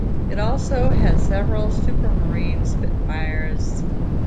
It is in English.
It also had several Supermarine Spitfires.